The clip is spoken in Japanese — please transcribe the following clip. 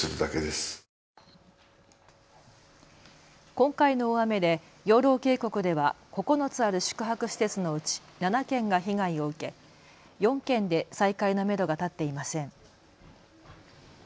今回の大雨で養老渓谷では９つある宿泊施設のうち７軒が被害を受け４軒で再開のめどが立っていません。